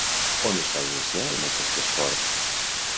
On es va iniciar en aquest esport?